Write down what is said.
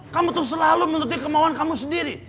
kamu tuh selalu menutupi kemauan kamu sendiri